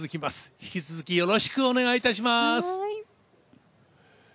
引き続き、よろしくお願いします。